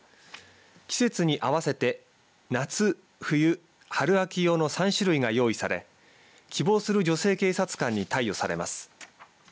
季節に合わせて夏、冬、春、秋用の３種類が用意され希望する女性警察官に貸与されます。